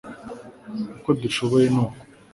uko dushoboye ni uku